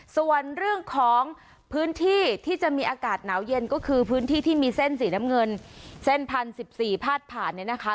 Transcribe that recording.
ส่วนเรื่องของพื้นที่ที่จะมีอากาศหนาวเย็นก็คือพื้นที่ที่มีเส้นสีน้ำเงินเส้นพันสิบสี่พาดผ่านเนี่ยนะคะ